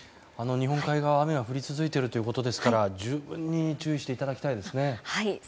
日本海側は雨が降り続いているということですから十分に注意していただきたいですね。